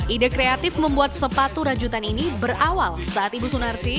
ide kreatif membuat sepatu rajutan ini berawal saat ibu sunarsi